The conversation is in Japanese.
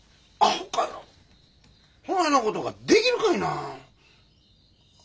そないなことができるかいな！